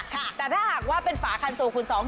แต่ถ้าหากว่าเป็นฝาคันโซคูณสอง